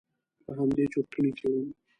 په همدې چرتونو کې وم.